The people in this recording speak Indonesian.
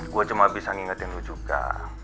gue cuma bisa ngingetin lu juga